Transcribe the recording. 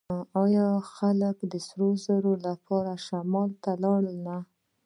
آیا خلک د سرو زرو لپاره شمال ته نه لاړل؟